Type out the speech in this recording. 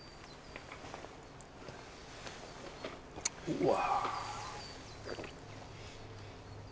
うわ。